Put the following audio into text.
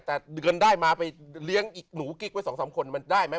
แต่เงินได้มาไปเลี้ยงไหนหนูกิ๊คไว้สองสามคนโดยได้มั้ย